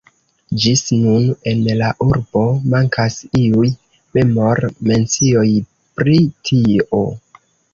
Ĝis nun en la urbo mankas iuj memor-mencioj pri tio.